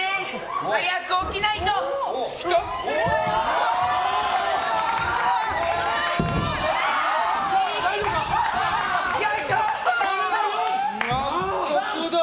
早く起きないとおー！